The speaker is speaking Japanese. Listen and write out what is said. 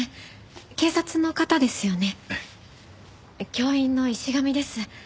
教員の石上です。